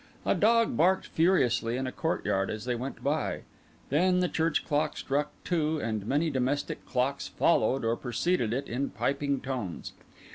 A dog barked furiously in a courtyard as they went by; then the church clock struck two, and many domestic clocks followed or preceded it in piping tones.